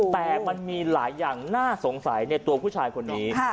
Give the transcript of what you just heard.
แต่มันมีหลายอย่างน่าสงสัยในตัวผู้ชายคนนี้